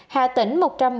hà tỉnh một trăm bốn mươi bảy